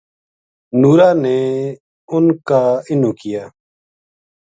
نُورا نے اُن کا اِنو کیا